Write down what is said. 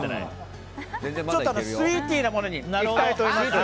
ちょっとスイーティーなものにいきたいと思います。